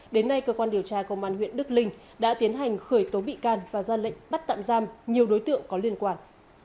đến nay cơ quan điều tra công an huyện đức linh đã tiến hành khởi tố bị can và ra lệnh bắt tạm giam nhiều đối tượng có liên quan